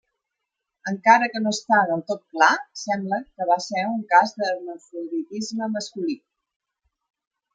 Encara que no està del tot clar, sembla que va ser un cas d'hermafroditisme masculí.